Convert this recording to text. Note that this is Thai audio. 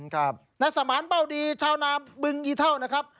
นายสมานเป้าดีชาวนาบึงยีเท่านะครับ